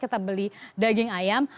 kita beli daging ayam